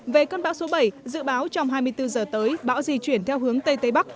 về cơn bão số bảy dự báo trong hai mươi bốn giờ tới bão di chuyển theo hướng tây tây bắc